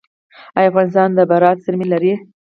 آیا افغانستان د بیرایت زیرمې لري؟